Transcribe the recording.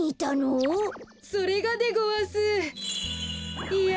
それがでごわすいや